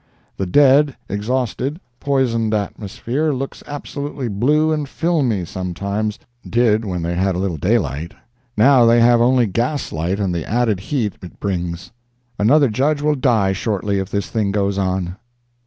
The dead, exhausted, poisoned atmosphere looks absolutely blue and filmy, sometimes—did when they had a little daylight. Now they have only gas light and the added heat it brings. Another Judge will die shortly if this thing goes on.